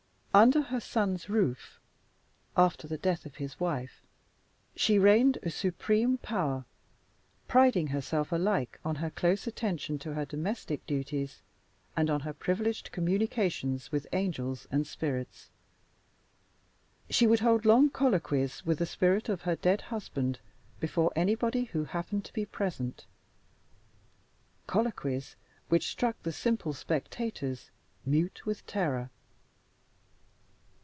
Under her son's roof after the death of his wife she reigned a supreme power; priding herself alike on her close attention to her domestic duties, and on her privileged communications with angels and spirits. She would hold long colloquys with the spirit of her dead husband before anybody who happened to be present colloquys which struck the simple spectators mute with terror.